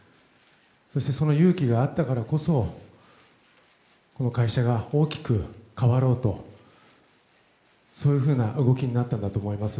そしてその勇気があったからこそこの会社が大きく変わろうとそういうふうな動きになったんだと思います。